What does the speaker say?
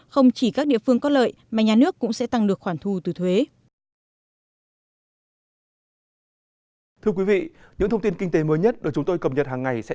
không chỉ các địa phương có lợi mà nhà nước cũng sẽ tăng được khoản thu từ thuế